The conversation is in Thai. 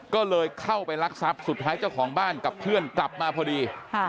ก็เลยเข้าไปรักทรัพย์สุดท้ายเจ้าของบ้านกับเพื่อนกลับมาพอดี